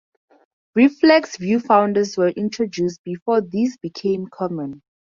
Reflex viewfinders were introduced before these became common.